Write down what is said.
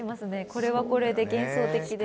これはこれで幻想的で。